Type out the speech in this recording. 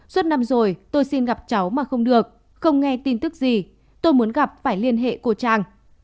suốt năm rồi tôi xin gặp cháu mà không được không nghe tin tức gì tôi muốn gặp phải liên hệ cô trang